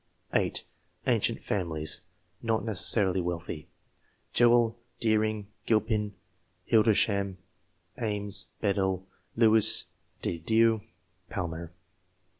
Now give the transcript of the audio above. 8. Ancient families (not necessarily wealthy). Jewell, Deering, Gilpin, Hildersham, Ames, Bedell, Lewis de Dieu, Palmer.